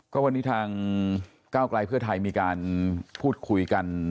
ก็วันนี้ทางก้าวกลายเพื่อไทยมีการพูดคุยกัน